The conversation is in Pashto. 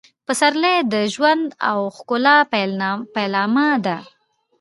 پسرلی د ژوند او ښکلا پیلامه ده.